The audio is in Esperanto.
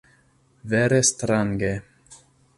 Vere strange.